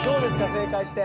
正解して。